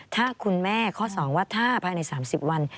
ถ้าคุณแม่ข้อ๒ว่าถ้าภายใน๓๐วัน